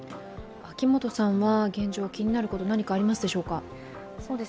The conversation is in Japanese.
現状、気になること何かありますでしょうか。